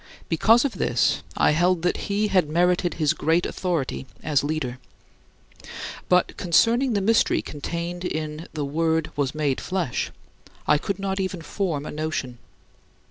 Because of this, I held that he had merited his great authority as leader. But concerning the mystery contained in "the Word was made flesh," I could not even form a notion.